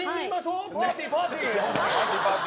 パーティーパーティー。